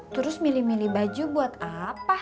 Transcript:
terus milih milih baju buat apa